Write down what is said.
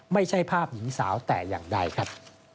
ไม่ใช่ภาพหญิงสาวแต่อย่างใดครับ